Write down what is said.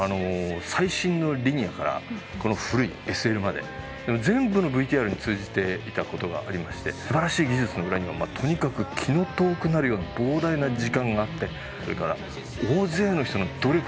最新のリニアからこの古いＳＬまで全部のＶＴＲに通じていたことがありましてすばらしい技術の裏にはとにかく気の遠くなるような膨大な時間があってそれから大勢の人の努力の積み重ね